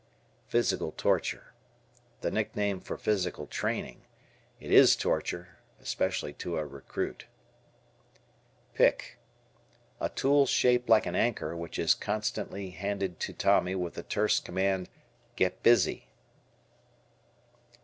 "Physical torture." The nickname for physical training. It is torture, especially to a recruit. Pick. A tool shaped like an anchor which is being constantly handed to Tommy with the terse command, "get busy."